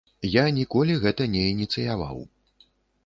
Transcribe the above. Я ніколі гэта не ініцыяваў.